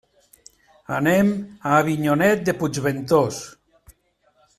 Anem a Avinyonet de Puigventós.